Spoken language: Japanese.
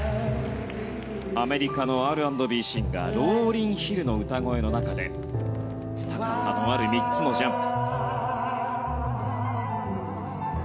アメリカのＲ＆Ｂシンガーローリン・ヒルの歌声の中で高さのある３つのジャンプ。